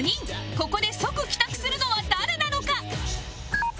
ここで即帰宅するのは誰なのか？